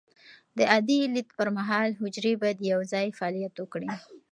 د عادي لید پر مهال، حجرې باید یوځای فعالیت وکړي.